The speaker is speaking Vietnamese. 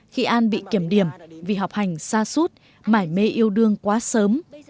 khi an bị kiểm điểm vì học hành xa suốt mải mê yêu đương quá sớm